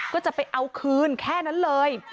ก็จะไปเอาคืนแค่นั้นเลย